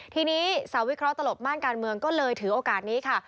ทีนี้สาวิเคราะหลบม่านการเมืองก็เลยถือโอกาสนี้ค่ะ